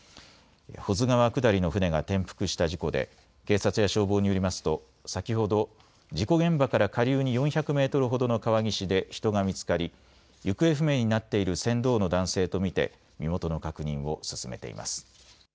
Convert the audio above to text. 保津川下りの舟が転覆した事故で警察や消防によりますと先ほど事故現場から下流に４００メートルほどの川岸で人が見つかり行方不明になっている船頭の男性と見て身元の確認を進めています。